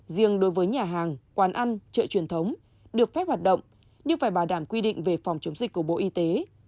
riêng đối với nhà hàng quán ăn chợ truyền thống được phép hoạt động nhưng phải bảo đảm quy định về phòng chống dịch của bộ y tế